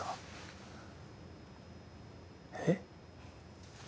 えっ⁉